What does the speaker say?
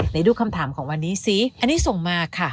ไหนดูคำถามของวันนี้สิอันนี้ส่งมาค่ะ